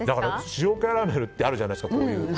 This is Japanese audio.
塩キャラメルってあるじゃないですか。